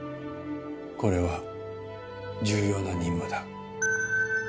これは重要な任務だ。